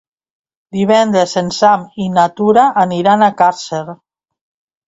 Divendres en Sam i na Tura aniran a Càrcer.